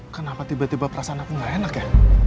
kenapa tiba tiba perasaan aku gak enak ya